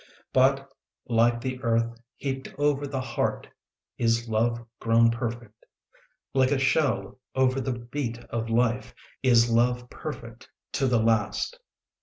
But like earth heaped over the heart Is love grown perfect. Like a shell over the beat of life Is love perfect to the last.